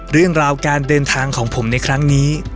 เรื่องราวการเดินทางของผมในครั้งนี้